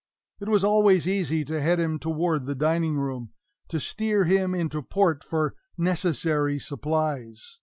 It was always easy to head him toward the dining room to steer him into port for necessary supplies.